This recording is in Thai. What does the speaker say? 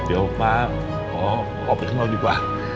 เดี๋ยวฟ้าขอออกไปข้างนอกดีกว่า